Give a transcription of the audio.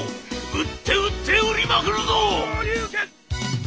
売って売って売りまくるぞ！」。